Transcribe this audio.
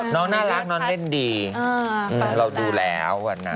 น้องน่ารักน้องเล่นดีเราดูแล้ว